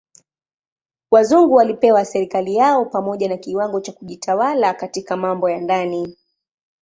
Wazungu walipewa serikali yao pamoja na kiwango cha kujitawala katika mambo ya ndani.